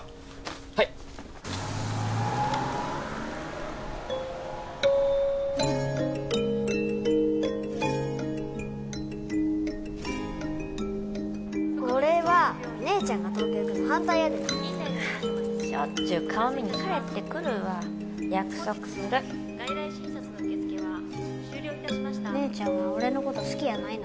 はい俺は姉ちゃんが東京行くの反対やでなしょっちゅう顔見に帰ってくるわ約束する外来診察の受付は終了いたしました姉ちゃんは俺のこと好きやないの？